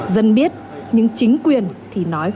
dân biết những chính quyền thì nói